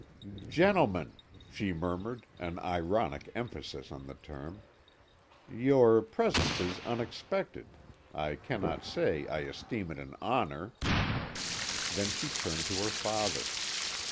"Gentlemen," she murmured, an ironic emphasis on the term, "your presence is unexpected. I cannot say I esteem it an honor." Then she turned to her father.